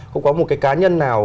không có một cái cá nhân nào